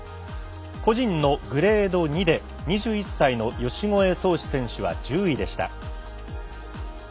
個人のグレード２で２１歳の吉越奏詞選手は１０位でした。